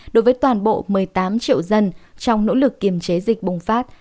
đối với toàn bộ một mươi tám triệu dân trong nỗ lực kiềm chế dịch bùng phát